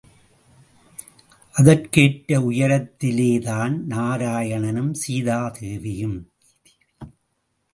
அதற்கேற்ற உயரத்திலேதான் நாராயணனும், சீதேவியும்.